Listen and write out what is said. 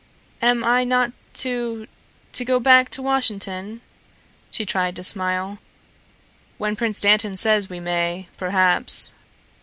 "Am I not to to go back to Washin'ton?" She tried to smile. "When Prince Dantan says we may, perhaps."